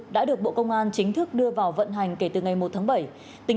đã được bộ công an chính thức đưa vào vận hành kể từ ngày một tháng bảy